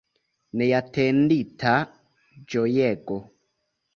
Neatendita ĝojego!